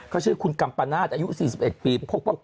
เขาชื่อคุณกำปาณาศอายุสี่สิบเอ็ดปี